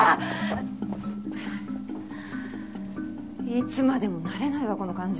いつまでも慣れないわこの感じ。